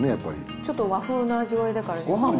ちょっと和風な味わいだから。